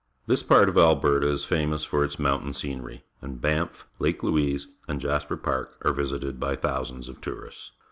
This part ot .\lberta is famous for its mountam scenery, and Banff, Lake Louise, and Jasper Park are \dsited by thousands of tourists.